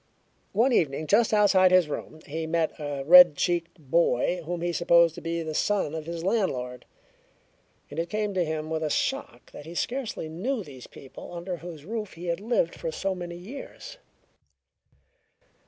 One evening just outside his room he met a red cheeked boy whom he supposed to be the son of his landlord, and it came to him with a shock that he scarcely knew these people under whose roof he had lived for many years.